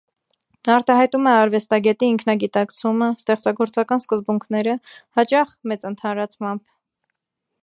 Արտահայտում է արվեստագետի ինքնագիտակցումը, ստեղծագործական սկզբունքները, հաճախ՝ մեծ ընդհանրացմամբ։